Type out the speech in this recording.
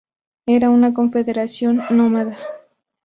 Era una confederación nómada.